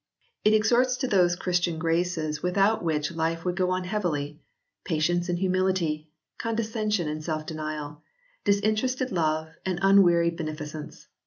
It exhorts to those Christian graces without which life would go on heavily patience and humility, con descension and self denial, disinterested love and un wearied beneficence.